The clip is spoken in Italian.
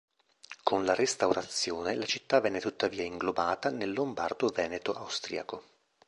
Con la Restaurazione la città venne tuttavia inglobata nel Lombardo Veneto austriaco.